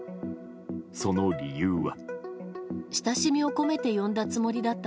その理由は。